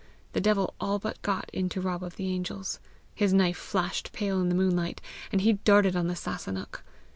The devil all but got into Rob of the Angels. His knife flashed pale in the moonlight, and he darted on the Sasunnach.